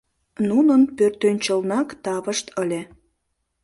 Нунын пӧртӧнчылнак тавышт ыле.